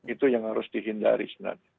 itu yang harus dihindari sebenarnya